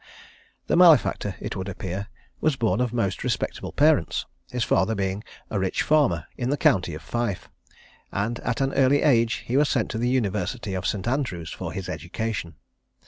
The malefactor, it would appear, was born of most respectable parents, his father being a rich farmer in the county of Fife, and at an early age he was sent to the University of St. Andrew's for his education.